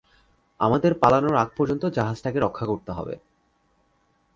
আমাদের পালানোর আগ পর্যন্ত জাহাজটাকে রক্ষা করতে হবে।